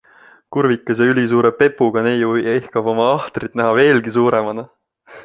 Kurvikas ja ülisuure pepuga neiu ihkab oma ahtrit näha veelgi suuremana.